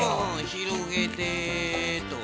ひろげて。